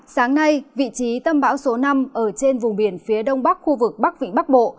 sáng nay vị trí tâm bão số năm ở trên vùng biển phía đông bắc khu vực bắc vịnh bắc bộ